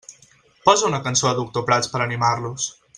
Posa una cançó de Doctor Prats per animar-los.